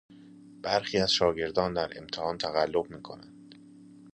برخی از شاگردان در امتحان تقلب میکنند.